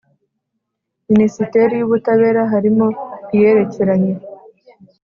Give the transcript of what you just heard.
Minisiteri y Ubutabera harimo iyerekeranye